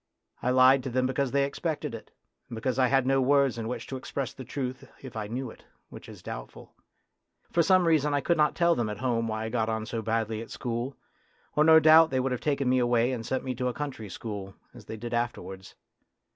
I lied to them because they expected it, and because I had no words in which to express the truth if I knew it, which is doubtful. For some reason I could not tell them at home why I got on so badly at school, or no doubt they would have taken me away and sent me to a country school, as they did afterwards.